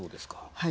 はい。